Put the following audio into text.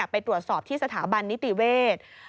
ไปตรวจสอบที่สถาบันนิติเวศ